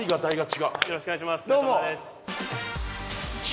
よろしくお願いします中村です。